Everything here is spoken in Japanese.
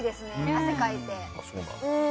汗かいて。